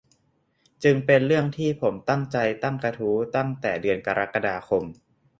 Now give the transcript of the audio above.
จึงเป็นเรื่องที่ผมตั้งใจตั้งกระทู้ตั้งแต่เดือนกรกฎาคม